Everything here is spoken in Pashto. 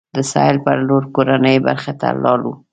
د سهیل پر لور کورنۍ برخې ته لاړو.